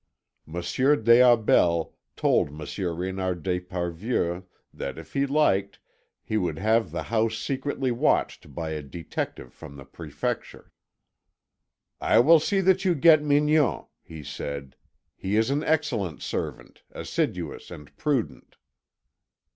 Monsieur des Aubels told Monsieur René d'Esparvieu that, if he liked, he would have the house secretly watched by a detective from the Prefecture. "I will see that you get Mignon," he said. "He is an excellent servant, assiduous and prudent."